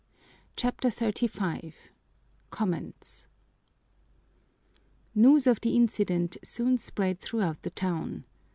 CHAPTER XXXV Comments News of the incident soon spread throughout the town.